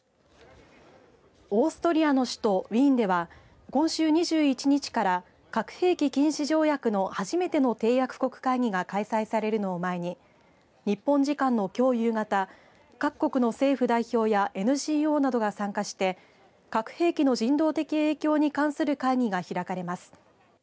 オーストリアの首都ウィーンでは今週２１日から核兵器禁止条約の初めての締約国会議が開催されるのを前に日本時間のきょう夕方から各国の政府代表やＮＧＯなどが参加して核兵器の人道的影響に関する会議が開かれます。